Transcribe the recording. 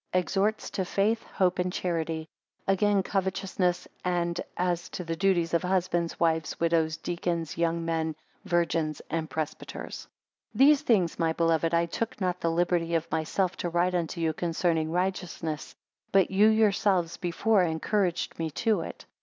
2 Exhorts to Faith, Hope, and Charity. 5 Against covetousness, and as to the duties of husbands, wives, widows, 9 deacons, young men, virgins, and presbyters. THESE things, my brethren, I took not the liberty of myself to write unto you concerning righteousness, but you yourselves before encouraged me to it.